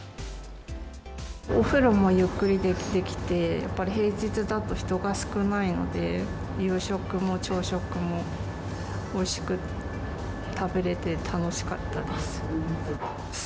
お風呂もゆっくりできて、やっぱり平日だと人が少ないので、夕食も朝食もおいしく食べれて楽しかったです。